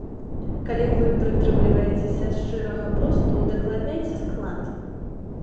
Калі вы прытрымліваецеся шчырага посту, удакладняйце склад!